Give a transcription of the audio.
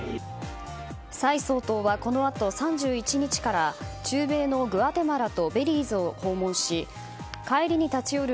蔡総統はこのあと３１日から中米のグアテマラとベリーズを訪問し帰りに立ち寄る